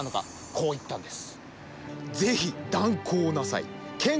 こう言ったんです。